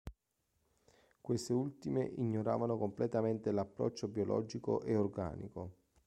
Queste ultime ignoravano completamente l'approccio biologico e organico.